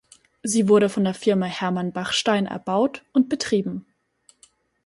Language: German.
Sie wurde von der Firma Herrmann Bachstein erbaut und betrieben.